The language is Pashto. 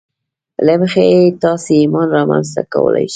له مخې یې تاسې ایمان رامنځته کولای شئ